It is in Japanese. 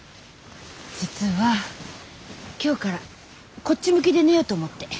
実は今日からこっち向きで寝ようと思って。